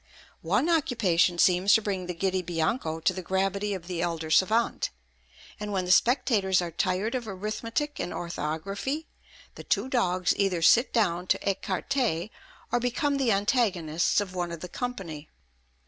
"One occupation seems to bring the giddy Bianco to the gravity of the elder savant; and when the spectators are tired of arithmetic and orthography, the two dogs either sit down to écarté, or become the antagonists of one of the company.